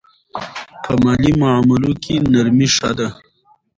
په مالي معاملو کې نرمي ښه ده.